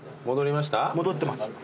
戻ってます。